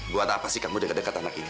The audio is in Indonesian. buat apa sih kamu dekat dekat anak ini